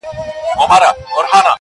چي کاته چي په کتو کي را ايسار دي,